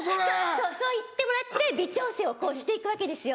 そうそう言ってもらって微調整をこうして行くわけですよ。